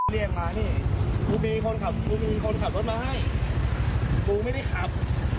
เรียกมานี่กูมีคนขับรถมาให้กูไม่ได้ขับ